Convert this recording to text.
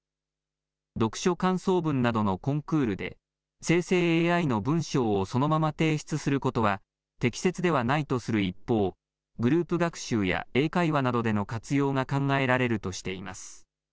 読書感想文などのコンクールで、生成ＡＩの文章をそのまま提出することは適切ではないとする一方、グループ学習や英会話などでの活用が考えられるとしています。